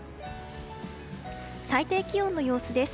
最低気温の様子です。